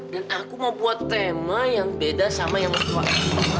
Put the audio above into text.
dan aku mau buat tema yang beda sama yang waktu lalu